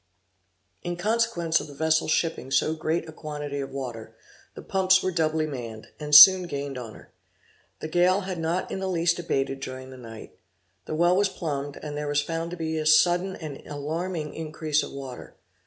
In consequence of the vessel shipping so great a quantity of water, the pumps were doubly manned, and soon gained on her. The gale had not in the least abated during the night. The well was plumbed, and there was found to be a sudden and alarming increase of water.